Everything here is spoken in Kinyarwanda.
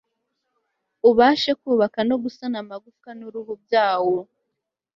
ubashe kubaka no gusana amagufwa n'uruhu byawo